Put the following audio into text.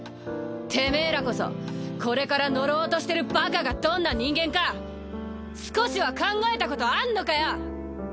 てめぇらこそこれから呪おうとしてるバカがどんな人間か少しは考えたことあんのかよ？